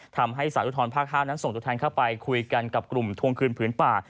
ทำให้สารอุทรภาค๕นั้นส่งตัวแทนเข้าไปคุยกันกับกลุ่มทวงคืนผืนป่า